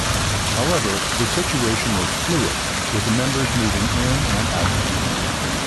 However, the situation was fluid, with members moving in and out.